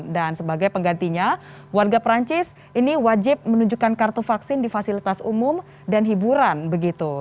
dan sebagai penggantinya warga perancis ini wajib menunjukkan kartu vaksin di fasilitas umum dan hiburan begitu